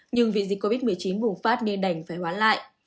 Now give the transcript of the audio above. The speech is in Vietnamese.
nhưng vì dịch covid một mươi chín bùng phát nên đành phải hoãn lại